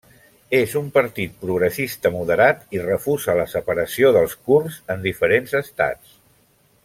És un partit progressista moderat i refusa la separació dels kurds en diferents estats.